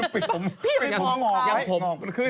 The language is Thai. พี่พี่พองออกไข่มันขึ้น